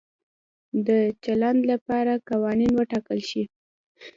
د چلند لپاره قوانین وټاکل شي.